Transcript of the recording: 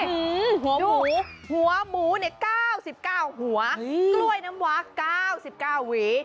นี่หัวหมู๙๙หัวกล้วยน้ำวา๙๙วี